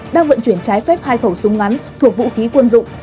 đang vận chuyển trái phép hai khẩu súng ngắn thuộc vũ khí quân dụng